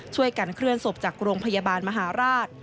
ช่วยกันเคลื่อนศพจากโรงพยาบาลมหาราช